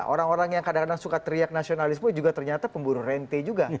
orang orang yang kadang kadang suka teriak nasionalisme juga ternyata pemburu rente juga